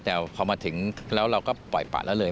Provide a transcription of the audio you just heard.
แต่พอมาถึงแล้วเราก็ปล่อยปะแล้วเลย